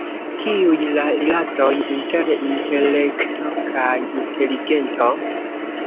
Kiuj la rilatoj inter intelekto kaj inteligento?